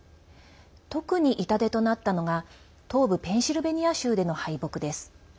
特に痛手となったのが東部ペンシルベニア州での敗北です。